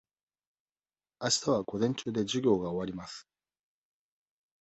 あしたは午前中で授業が終わります。